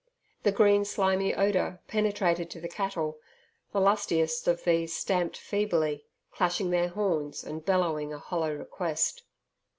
The green slimy odour penetrated to the cattle. The lustiest of these stamped feebly, clashing their horns and bellowing a hollow request.